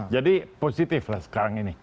jadi positif lah sekarang ini